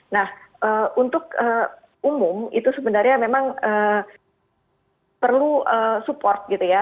nah untuk umum itu sebenarnya memang perlu support gitu ya